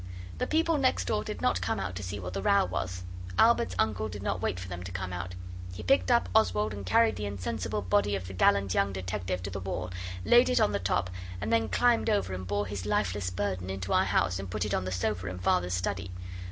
The people next door did not come out to see what the row was. Albert's uncle did not wait for them to come out. He picked up Oswald and carried the insensible body of the gallant young detective to the wall, laid it on the top, and then climbed over and bore his lifeless burden into our house and put it on the sofa in Father's study.